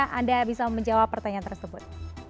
bagaimana anda bisa menjawab pertanyaan tersebut